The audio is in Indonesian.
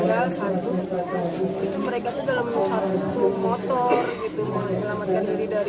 kondakasa ikbal satu mereka ke dalam satu motor gitu menghilangkan diri dari